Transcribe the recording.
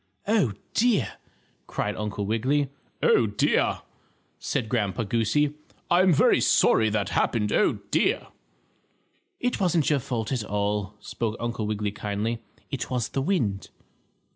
"Oh, dear!" cried Uncle Wiggily. "Oh, dear!" said Grandpa Goosey. "I'm very sorry that happened. Oh, dear!" "It wasn't your fault at all," spoke Uncle Wiggily kindly. "It was the wind."